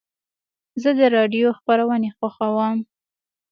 زه د راډیو خپرونې خوښوم.